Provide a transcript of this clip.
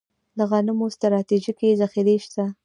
د غنمو ستراتیژیکې ذخیرې شته